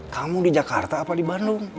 kamu di jakarta apa di bandung